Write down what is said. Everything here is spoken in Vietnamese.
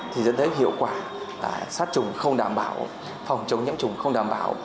thì dẫn tới hiệu quả sát trùng không đảm bảo phòng chống nhiễm trùng không đảm bảo